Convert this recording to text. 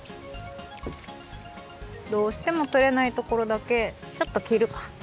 どうしてもとれないところだけちょっときるか。